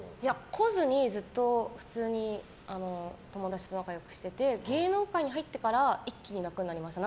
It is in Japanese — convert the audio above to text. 来ずに、ずっと普通に友達と仲良くしていて芸能界に入ってから一気になくなりました。